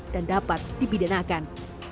dan dapat dibidanakan